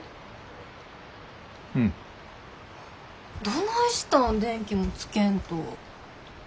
どないしたん電気もつけんと。